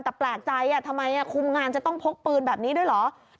แต่แปลกใจทำไมคุมงานจะต้องพกปืนแบบนี้ด้วยเหรอ